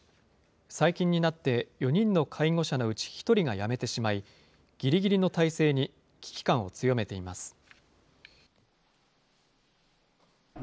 最近になって、４人の介護者のうち１人が辞めてしまい、ぎりぎりの態勢に危機感を強めています。